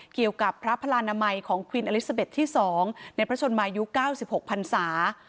เกี่ยวกับพระพลานามัยของควีนอลิซาเบ็ตที่สองในประชนมายุคเก้าสิบหกพันศา